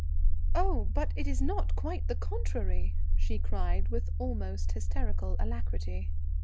"Oh, but it is not; quite the contrary," she cried with almost hysterical alacrity.